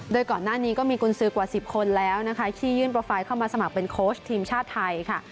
โดยก่อนหน้านี้ก็มีกุญสือกว่า๑๐คนแล้วนะคะที่ยื่นโปรไฟล์เข้ามาสมัครเป็นโค้ชทีมชาติไทยค่ะ